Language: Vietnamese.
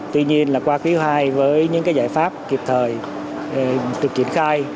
tuy nhiên là qua quý ii với những cái giải pháp kịp thời được triển khai